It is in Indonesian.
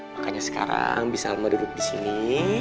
makanya sekarang bisa lama duduk di sini